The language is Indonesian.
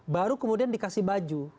baru kemudian dikasih baju